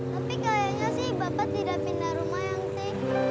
tapi kayaknya sih bapak tidak pindah rumah angti